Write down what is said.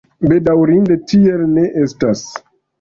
Bedaŭrinde, tiel ne estas.